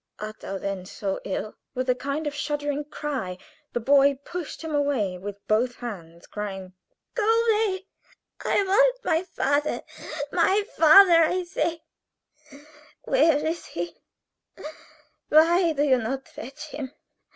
_ art thou then so ill?" With a kind of shuddering cry, the boy pushed him away with both hands, crying: "Go away! I want my father my father, my father, I say! Where is he? Why do you not fetch him?